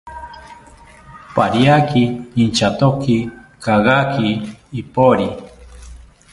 Pariaki inchatoki kagaki ipori